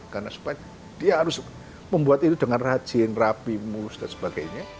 karena dia harus membuat itu dengan rajin rapi mus dan sebagainya